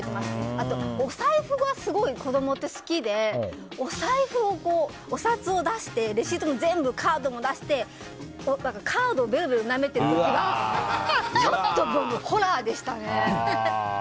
あと、お財布がすごい子供って好きでお財布をお札を出してレシートも全部、カードも出してカードをベロベロなめたりとかちょっとホラーでしたね。